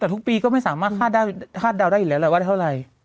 แต่ทุกปีก็ไม่สามารถคาดดาวได้หรืออะไรว่าได้เท่าไหร่